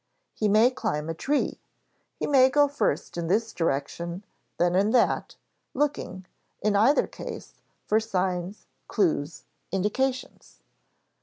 He may climb a tree; he may go first in this direction, then in that, looking, in either case, for signs, clues, indications.